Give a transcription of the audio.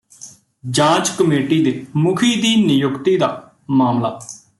ਜਾਂਚ ਕਮੇਟੀ ਦੇ ਮੁਖੀ ਦੀ ਨਿਯੁਕਤੀ ਦਾ ਮਾਮਲਾ